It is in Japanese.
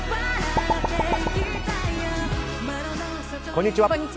こんにちは。